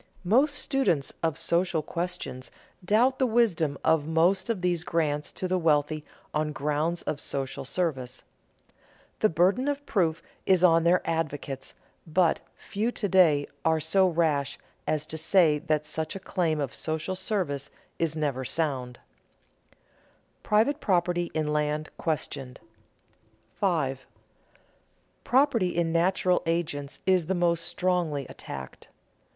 Most students of social questions doubt the wisdom of most of these grants to the wealthy on grounds of social service. The burden of proof is on their advocates, but few to day are so rash as to say that such a claim of social service is never sound. [Sidenote: Private property in land questioned] 5. _Property in natural agents is the most strongly attacked.